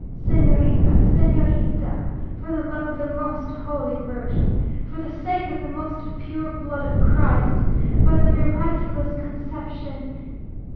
"Señorita! Señorita! For the love of the most Holy Virgin! For the sake of the most pure blood of Christ! By the miraculous Conception!